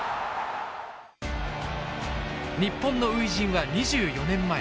日本の初陣は２４年前。